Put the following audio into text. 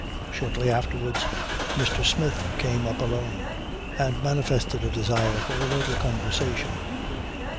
Shortly afterwards, Mr. Smith came up alone and manifested a desire for a little conversation.